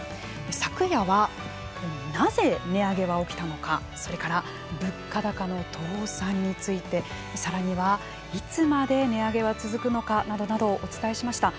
昨夜は、なぜ値上げは起きたのかそれから物価高の倒産についてさらには、いつまで値上げは続くのかなどなどお伝えしました。